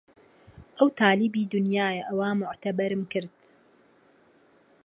ئەو تالیبی دونیایە ئەوا موعتەبەرم کرد